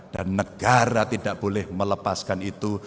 dan negara tidak boleh melepaskan itu